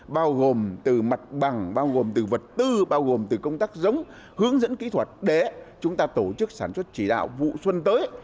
bao gồm từ mặt bằng bao gồm từ vật tư bao gồm từ công tác giống hướng dẫn kỹ thuật để chúng ta tổ chức sản xuất chỉ đạo vụ xuân tới